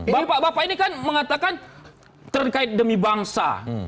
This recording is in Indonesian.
bapak bapak ini kan mengatakan terkait demi bangsa